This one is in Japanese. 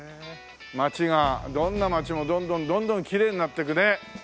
街がどんな街もどんどんどんどんきれいになっていくね。